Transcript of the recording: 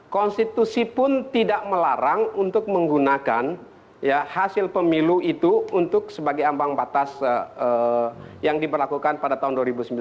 konstitusi pun tidak melarang untuk menggunakan hasil pemilu itu untuk sebagai ambang batas yang diperlakukan pada tahun dua ribu sembilan belas